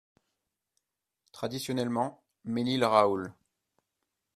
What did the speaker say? Traditionnellement Mesnil-Raoult.